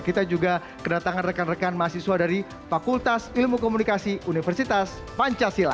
kita juga kedatangan rekan rekan mahasiswa dari fakultas ilmu komunikasi universitas pancasila